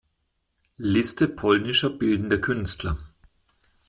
Liste polnischer bildender Künstler